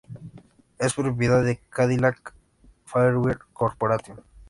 Es propiedad de Cadillac Fairview Corporation.